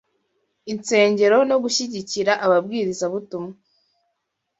insengero no gushyigikira ababwirizabutumwa.